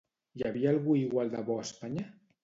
Hi havia algú igual de bo a Espanya?